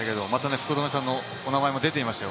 福留さんのお名前も出ていましたよ。